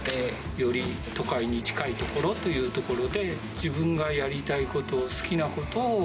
より都会に近い所というところで、自分がやりたいこと、好きなことを。